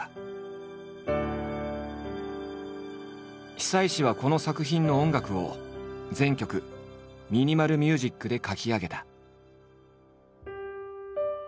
久石はこの作品の音楽を全曲ミニマル・ミュージックで書き上げた。